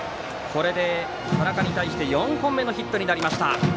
これで田中に対して４本目のヒットになりました。